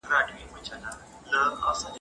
تعلیم یافته مور باسواده نسل روزي.